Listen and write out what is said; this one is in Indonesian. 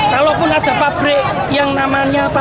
walaupun ada pabrik yang namanya patokan